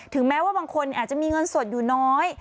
แม้ว่าบางคนอาจจะมีเงินสดอยู่น้อย